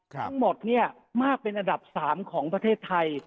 ทั้งหมดมากเป็นอันดับ๓ของประเทศไทย